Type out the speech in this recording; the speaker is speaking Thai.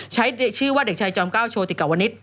ใช้ชื่อว่าเด็กชายจอมเก้าโชติกาวนิษฐ